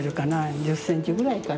１０センチぐらいかな。